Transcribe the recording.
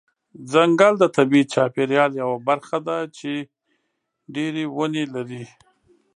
ځنګل د طبیعي چاپیریال یوه برخه ده چې ډیری ونه لري.